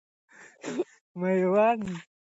میوند چې فتح سو، تاریخي ځای دی.